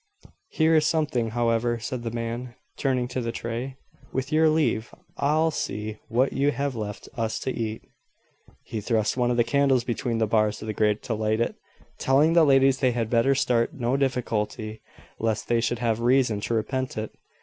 "Here is something, however," said the man, turning to the tray. "With your leave, I'll see what you have left us to eat." He thrust one of the candles between the bars of the grate to light it, telling the ladies they had better start no difficulty, lest they should have reason to repent it.